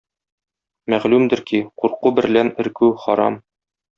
Мәгълүмдер ки, курку берлән өркү харам.